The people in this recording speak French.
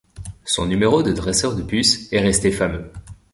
Son numéro de dresseur de puces est resté fameux.